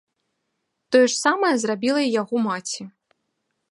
Тое ж самае зрабіла і яго маці.